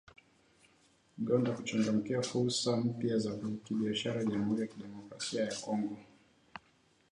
Uganda kuchangamkia fursa mpya za kibiashara jamhuri ya kidemokrasia ya Kongo